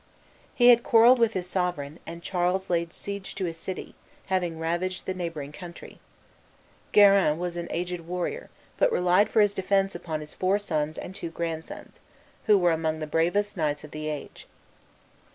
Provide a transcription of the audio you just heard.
He had quarrelled with his sovereign, and Charles laid siege to his city, having ravaged the neighboring country. Guerin was an aged warrior, but relied for his defence upon his four sons and two grandsons, who were among the bravest knights of the age.